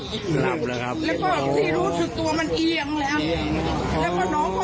แล้วก็รู้สึกว่ามันเอียงแล้ว